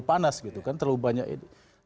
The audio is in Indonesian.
misalnya terlalu panas gitu kan